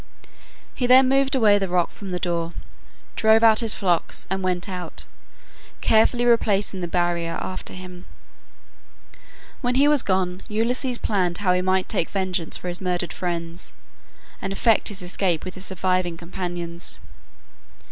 He then moved away the rock from the door, drove out his flocks, and went out, carefully replacing the barrier after him. When he was gone Ulysses planned how he might take vengeance for his murdered friends, and effect his escape with his surviving companions.